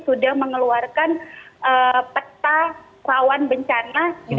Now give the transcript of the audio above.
sudah mengeluarkan peta rawan bencana di daerah eksklusif